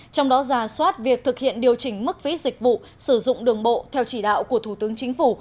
trong đó giả soát việc thực hiện điều chỉnh mức phí dịch vụ sử dụng đường bộ theo chỉ đạo của thủ tướng chính phủ